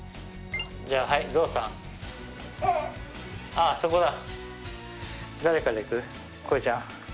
ああそこだ。